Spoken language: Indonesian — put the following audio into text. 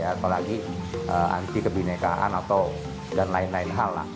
apalagi anti kebhinnekaan atau dan lain lain hal